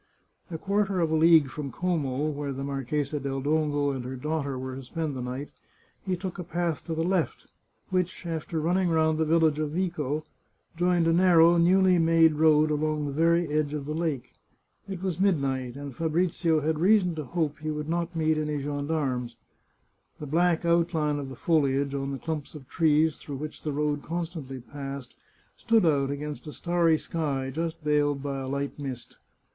A quarter of a league from Como, where the Marchesa del Dongo and her daughter were to spend the night, he took a path to the left, which, after running round the village of Vico, joined a narrow newly made road along the very edge of the lake. It was midnight, and Fabrizio had reason to hope he would not meet any gendarmes. The black outline of the foliage on the clumps of trees through which the road constantly passed stood out against a starry sky, just veiled by a light mist.